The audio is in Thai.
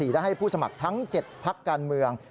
ได้ให้ผู้สมัครทั้ง๗พักการเมือง